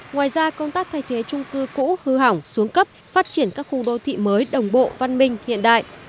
ngoài ra công tác thay thế trung cư cũ hư hỏng xuống cấp phát triển các khu đô thị mới đồng bộ văn minh hiện đại